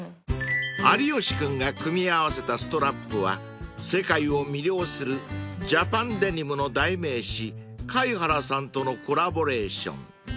［有吉君が組み合わせたストラップは世界を魅了するジャパンデニムの代名詞カイハラさんとのコラボレーション］